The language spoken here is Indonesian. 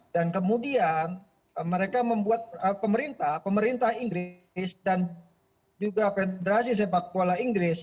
dan kemudian mereka membuat pemerintah pemerintah inggris dan juga federasi sepak bola inggris